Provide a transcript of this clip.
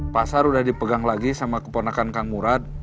pasar udah dipegang lagi sama keponakan kang murad sama dua ekor tikus